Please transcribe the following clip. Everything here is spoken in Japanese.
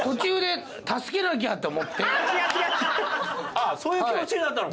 ああそういう気持ちになったの？